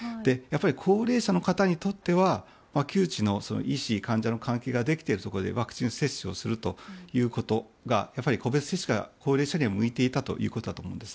高齢者の方にとっては旧知の医師、患者の関係ができているところでワクチン接種をするということがやっぱり個別接種が高齢者には向いていたということだと思います。